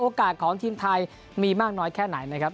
ของทีมไทยมีมากน้อยแค่ไหนนะครับ